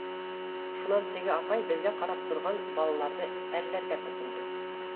Шунан теге апай беҙгә ҡарап торған балаларҙы әрләргә тотондо: